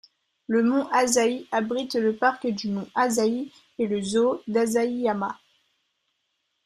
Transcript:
Le mont Asahi abrite le parc du mont Asahi et le zoo d'Asahiyama.